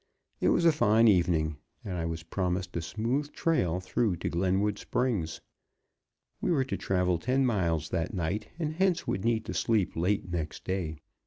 It was a fine evening. I was promised a smooth trail through to Glenwood Springs. We were to travel ten miles that night, and hence would need to sleep late next day.